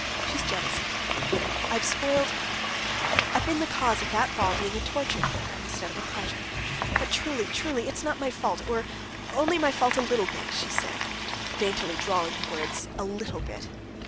She's jealous of me. I have spoiled ... I've been the cause of that ball being a torture to her instead of a pleasure. But truly, truly, it's not my fault, or only my fault a little bit," she said, daintily drawling the words "a little bit."